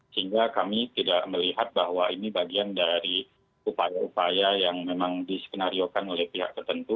sehingga kami tidak melihat bahwa ini bagian dari upaya upaya yang memang diskenariokan oleh pihak tertentu